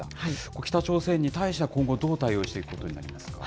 北朝鮮に対しては、今後、どう対応していくことになりますか？